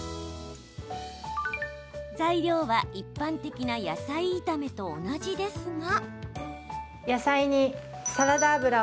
材料は、一般的な野菜炒めと同じですが。